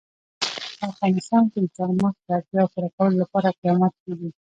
په افغانستان کې د چار مغز د اړتیاوو پوره کولو لپاره اقدامات کېږي.